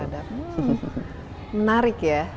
hmm menarik ya